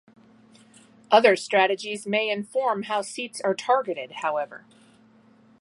Other strategies may inform how seats are targeted, however.